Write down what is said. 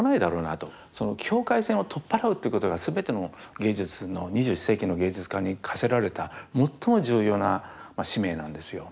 境界線を取っ払うってことが全ての２１世紀の芸術家に課せられた最も重要な使命なんですよ。